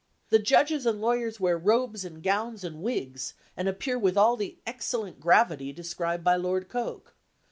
The judges and lawyers wear robes and gowns and wigs, and appear with all 'the excellent gravity' described by Lord Coke.